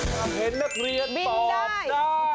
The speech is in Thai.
อยากเห็นนักเรียนตอบได้